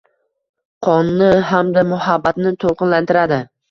Qonni hamda muhabbatni to’lqinlantiradi